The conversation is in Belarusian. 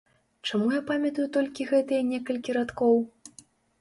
Чаму я памятаю толькі гэтыя некалькі радкоў?